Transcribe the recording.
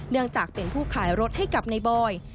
เนื่องจากเป็นผู้ขายรถให้กับในบอย